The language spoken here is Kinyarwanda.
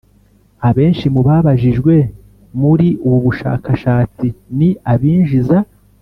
Abenshi mu babajijwe muri ubu bushakashatsi ni abinjiza